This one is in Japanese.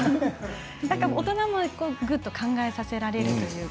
大人もぐっと考えさせられるというか。